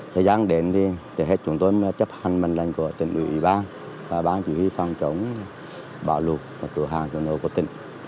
thời gian đến thì để hết chúng tôi chấp hành mệnh lệnh của tỉnh ủy ban và bán chủ y phòng trống bão luộc và cửa hàng cho nội của tỉnh